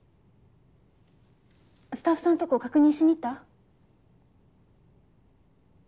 スタッフさんとこ確認しに行った？